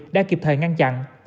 đã kịp thời ngăn chặn